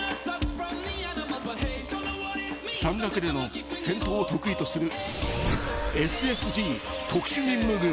［山岳での戦闘を得意とする］